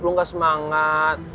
lo gak semangat